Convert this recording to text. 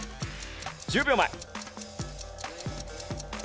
１０秒前。